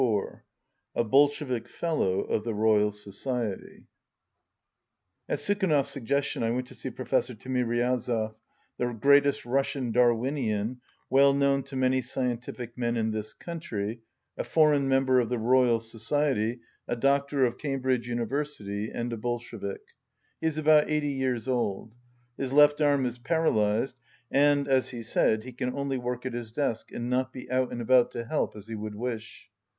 188 A BOLSHEVIK FELLOW OF THE ROYAL SOCIETY At Sukhanov's suggestion I went to see Professor Timiriazev, the greatest Russian Darwinian, well known to many scientific men in this country, a foreign member of the Royal Society, a Doctor of Cambridge University and a Bolshevik. He is about eighty years old. His left arm is para lysed, and, as he said, he can only work at his desk and not be out and about to help as he would wish.